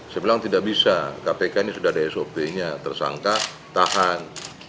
saya bilang tidak bisa kpk ini sudah ada sop nya tersangka tahan